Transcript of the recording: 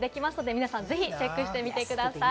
皆さんぜひチェックしてみてください。